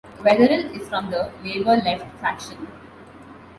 Weatherill is from the Labor Left faction.